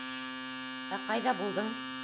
Ә ҡайҙа булдың?